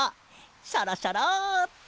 シャラシャラって！